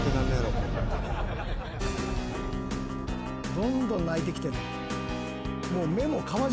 どんどん泣いてきてる。